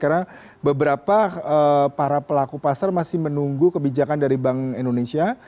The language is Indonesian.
karena beberapa para pelaku pasar masih menunggu kebijakan dari bank indonesia